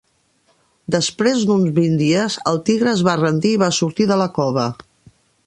Després d'uns vint dies, el tigre es va rendir i va sortir de la cova.